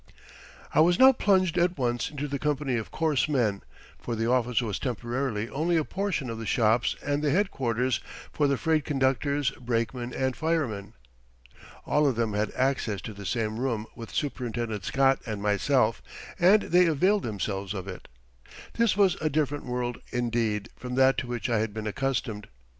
I was now plunged at once into the company of coarse men, for the office was temporarily only a portion of the shops and the headquarters for the freight conductors, brakemen, and firemen. All of them had access to the same room with Superintendent Scott and myself, and they availed themselves of it. This was a different world, indeed, from that to which I had been accustomed.